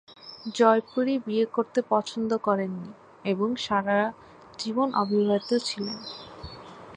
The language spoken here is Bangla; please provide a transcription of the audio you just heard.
জৌনপুরী বিয়ে করতে পছন্দ করেন নি এবং সারা জীবন অবিবাহিত ছিলেন।